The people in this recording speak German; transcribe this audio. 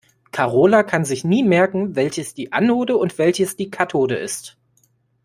Karola kann sich nie merken, welches die Anode und welches die Kathode ist.